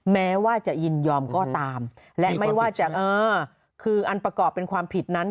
๑ปีถึง๑๐ปีแล้วปรับตั้งแต่๒๐๐๐๐๒๐๐๐๐๐